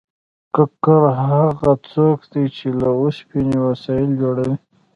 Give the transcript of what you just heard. ګګر هغه څوک دی چې له اوسپنې وسایل جوړوي